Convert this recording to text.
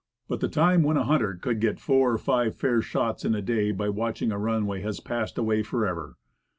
But the time when a hunter could get four or five fair shots in a day by watching a runway has passed away forever.